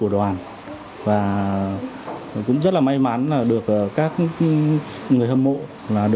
đoàn nghệ thuật lân sư dòng tứ kỳ